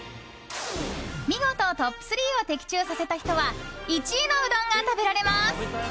見事トップ３を的中させた人は１位のうどんが食べられます。